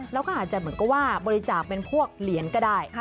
แล้วก็อาจจะเหมือนกับว่าบริจาคเป็นพวกเหรียญก็ได้